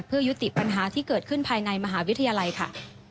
เพื่อยุติปัญหาที่เกิดขึ้นภายในมหาวิทยาลัยค่ะ